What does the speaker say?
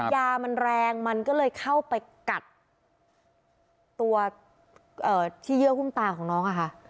ยามันแรงมันก็เลยเข้าไปกัดตัวที่เยื่อหุ้มตาของน้องอะค่ะ